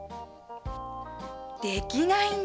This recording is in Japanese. できないんだ？